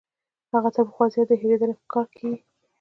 هغه تر پخوا زیات د هېرېدنې ښکار کیږي.